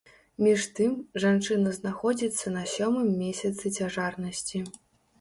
Між тым, жанчына знаходзіцца на сёмым месяцы цяжарнасці.